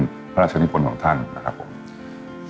ส่วนความเพียงเราก็ถูกพูดอยู่ตลอดเวลาในเรื่องของความพอเพียง